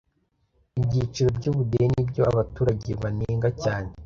ibyiciro by’ubudehe nibyo abaturage banenga cyane